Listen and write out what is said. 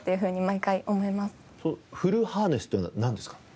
フルハーネスというのはなんですか？